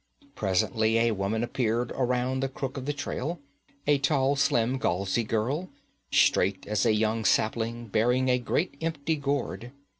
Presently a woman appeared around the crook of the trail a tall, slim Galzai girl, straight as a young sapling, bearing a great empty gourd.